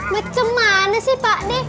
gimana sih pak de